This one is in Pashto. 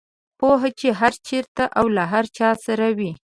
پوهه چې هر چېرته او له هر چا سره وي.